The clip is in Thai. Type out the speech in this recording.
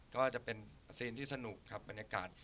ก็จะเป็นซีนที่สนุกครับบรรยากาศ